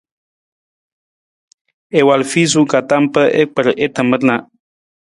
I wal fiisung ka tam pa i kpar i tamar na.